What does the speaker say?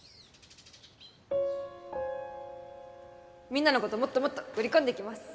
みんなのこともっともっと売り込んできます